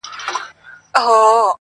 • انسانيت له ازموينې تېريږي سخت,